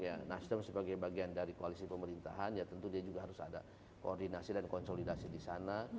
ya nasdem sebagai bagian dari koalisi pemerintahan ya tentu dia juga harus ada koordinasi dan konsolidasi di sana